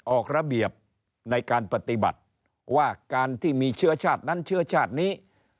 ออกระเบียบในการปฏิบัติว่าการที่มีเชื้อชาตินั้นเชื้อชาตินี้